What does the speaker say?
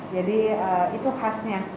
jadi itu khasnya